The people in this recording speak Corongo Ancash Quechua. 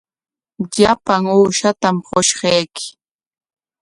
Llapan uushatam qushqayki.